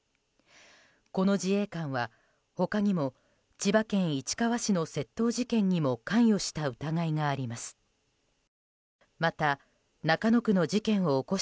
この自衛官は、他にも千葉県市川市の窃盗事件にも関与した疑いがあります。